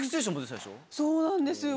そうなんですよ！